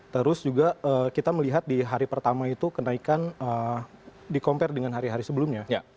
terus juga kita melihat di hari pertama itu kenaikan di compare dengan hari hari sebelumnya